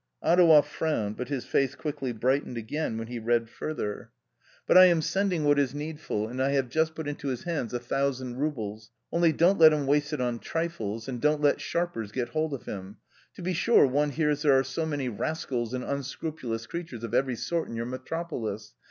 Adouev frowned, but his face quickly brightened again, when he read further. 32 A COMMON STORY "But I am sending what is needful, and I have just put into his hands a thousand roubles, only don't let him waste it on trifles, and don't let sharpers get hold of him, to be sure one hears there are so many rascals and un scrupulous creatures of every sort in your metropolis.